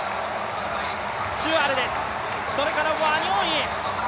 チュアルです、それからワニョンイ。